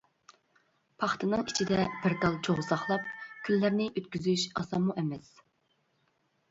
پاختىنىڭ ئىچىدە بىر تال چوغ ساقلاپ، كۈنلەرنى ئۆتكۈزۈش ئاسانمۇ ئەمەس.